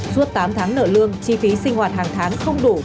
suốt tám tháng nợ lương chi phí sinh hoạt hàng tháng không đủ